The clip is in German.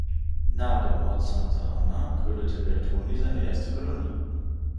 Nahe dem Ort Santa Ana gründete Bertoni seine erste Kolonie.